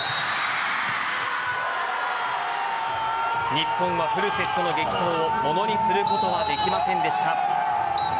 日本はフルセットの激闘をものにすることはできませんでした。